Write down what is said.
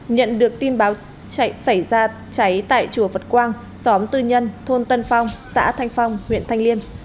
nhận được tin báo chảy xảy ra cháy tại chùa phật quang xóm tư nhân thôn tân phong xã thanh phong huyện thanh liên